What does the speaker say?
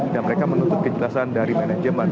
dan mereka menuntut kejelasan dari manajemen